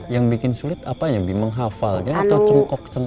yang bikin sulit apa ya menghafalnya atau cengkok cengkoknya